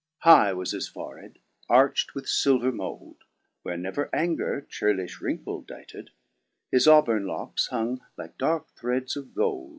3 High was his fore head, arch't with filver mould, (Where never anger churlifti rinkle dighted,) His auburne lockes hung like darke threds of gold.